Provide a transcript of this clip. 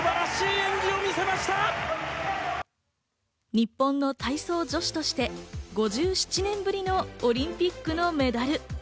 日本の体操女子として５７年ぶりのオリンピックのメダル。